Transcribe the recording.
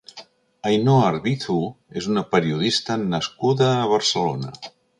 Ainhoa Arbizu és una periodista nascuda a Barcelona.